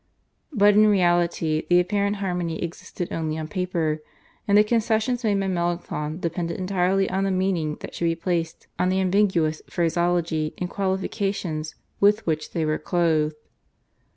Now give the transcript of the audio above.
But in reality the apparent harmony existed only on paper, and the concessions made by Melanchthon depended entirely on the meaning that should be placed on the ambiguous phraseology and qualifications with which they were clothed.